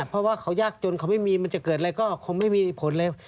เพราะว่าเขายากจนเขาไม่มีมันจะเกิดอะไรก็คงไม่มีผลแล้ว